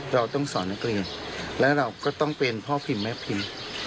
เราต้องสอนนักเรียนและเราก็ต้องเป็นพ่อพิมพ์แม่พิมพ์